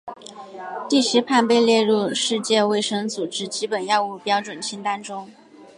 地西泮被列入世界卫生组织基本药物标准清单中。